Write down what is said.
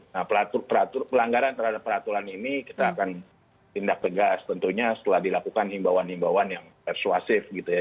nah pelanggaran terhadap peraturan ini kita akan tindak tegas tentunya setelah dilakukan himbauan himbauan yang persuasif gitu ya